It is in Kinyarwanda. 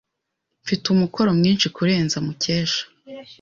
Mfite umukoro mwinshi kurenza Mukesha.